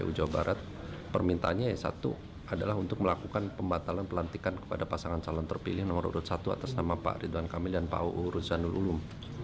kpu jawa barat permintaannya yang satu adalah untuk melakukan pembatalan pelantikan kepada pasangan calon terpilih nomor urut satu atas nama pak ridwan kamil dan pak uu ruzanul ulum